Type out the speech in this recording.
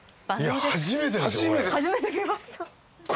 初めて見ました。